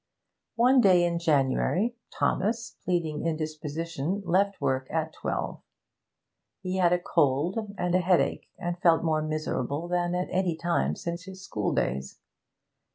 One day in January, Thomas, pleading indisposition, left work at twelve. He had a cold and a headache, and felt more miserable than at any time since his school days.